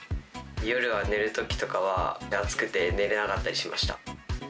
夜は寝るときとかは、暑くて寝れなかったりしました。